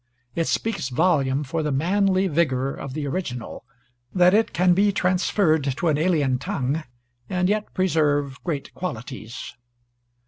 It speaks volumes for the manly vigor of the original that it can be transferred to an alien tongue and yet preserve great qualities.